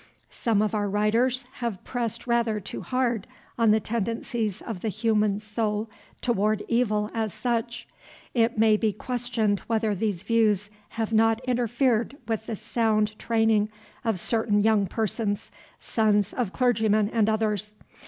Some of our writers have pressed rather too hard on the tendencies of the human soul toward evil as such. It maybe questioned whether these views have not interfered with the sound training of certain young persons, sons of clergymen and others.